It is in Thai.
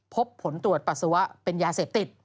พบผลตรวจปัสสาวะเป็นยาเสพติด